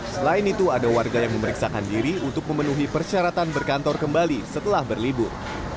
selain itu ada warga yang memeriksakan diri untuk memenuhi persyaratan berkantor kembali setelah berlibur